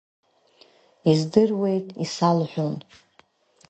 Издыруеит, исалҳәон.